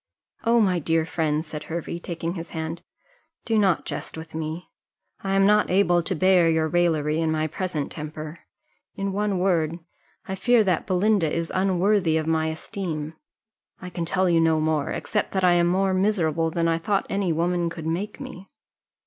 "Oh, my dear friend," said Hervey, taking his hand, "do not jest with me; I am not able to bear your raillery in my present temper in one word, I fear that Belinda is unworthy of my esteem: I can tell you no more, except that I am more miserable than I thought any woman could make me."